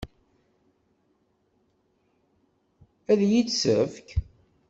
Ad iyi-tt-tefk?